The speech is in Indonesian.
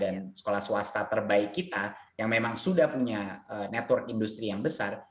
nah karena ptnbh dan sekolah swasta terbaik kita yang memang sudah punya network industri yang besar